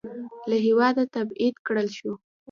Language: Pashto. له هېواده تبعید کړل شو.